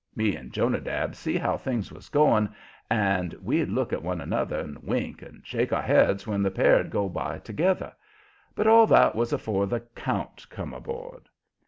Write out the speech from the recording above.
Me and Jonadab see how things was going, and we'd look at one another and wink and shake our heads when the pair'd go by together. But all that was afore the count come aboard.